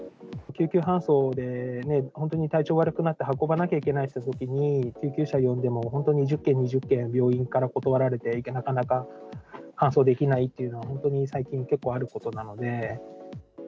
救急搬送で、本当に体調悪くなって運ばなきゃいけないとなったときに、救急車呼んでも、本当に１０件、２０件、病院から断られて、なかなか搬送できないっていうのは、本当に最近、結構あることなので。